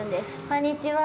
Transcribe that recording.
こんにちは。